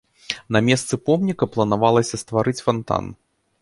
На месцы помніка планавалася стварыць фантан.